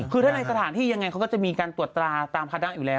คือถ้าในสถานที่ยังไงเขาก็จะมีการตรวจตราตามคณะอยู่แล้ว